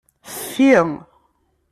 Ffi.